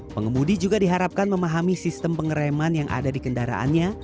pengemudi juga diharapkan memahami sistem pengereman yang ada di kendaraannya